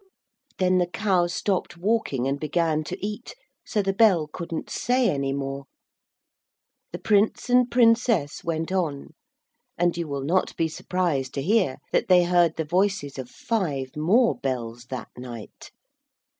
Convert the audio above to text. Then the cow stopped walking and began to eat, so the bell couldn't say any more. The Prince and Princess went on, and you will not be surprised to hear that they heard the voices of five more bells that night.